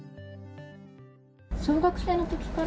小学生のときから？